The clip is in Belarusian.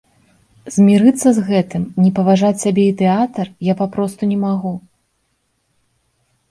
Змірыцца з гэтым, не паважаць сябе і тэатр я папросту не магу.